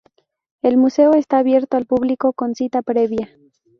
El museo está abierto al público con cita previa.